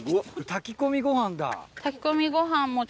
炊き込みご飯も。